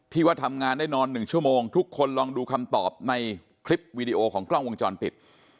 ว่าทำงานได้นอน๑ชั่วโมงทุกคนลองดูคำตอบในคลิปวีดีโอของกล้องวงจรปิด